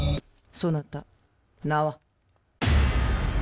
そなた名は？